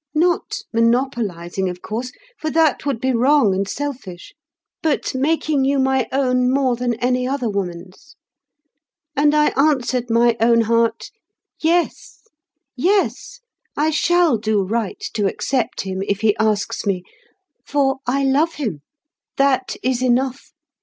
Not monopolising, of course, for that would be wrong and selfish; but making you my own more than any other woman's. And I answered my own heart, Yes, yes, I shall do right to accept him, if he asks me; for I love him, that is enough.